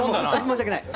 申し訳ない。